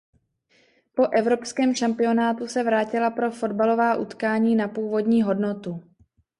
Po evropském šampionátu se vrátila pro fotbalová utkání na původní hodnotu.